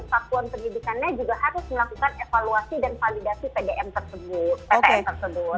satuan pendidikannya juga harus melakukan evaluasi dan validasi pdm ptm tersebut